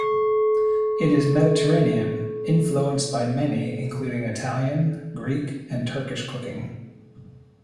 It is Mediterranean, influenced by many including Italian, Greek and Turkish cooking.